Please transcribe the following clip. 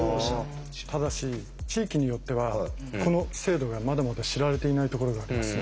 ただし地域によってはこの制度がまだまだ知られていないところがあります。